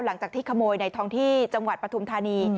หลังจากที่ขโมยในท้องที่จังหวัดปฐุมธานี